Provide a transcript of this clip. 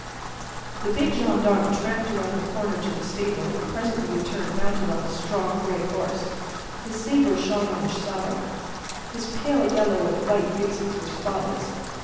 The big gendarme tramped around the corner to the stable and presently returned mounted on a strong gray horse, his sabre shone on his saddle; his pale yellow and white facings were spotless.